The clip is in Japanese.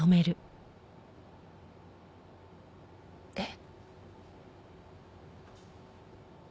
えっ？